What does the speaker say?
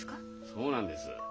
そうなんです。